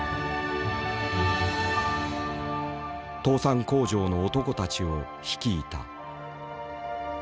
倒産工場の男たちを率いた。